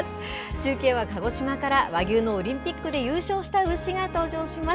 中継は鹿児島から、和牛のオリンピックで優勝した牛が登場します。